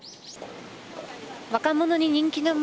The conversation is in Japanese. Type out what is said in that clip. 若者に人気の街